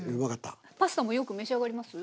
パスタもよく召し上がります？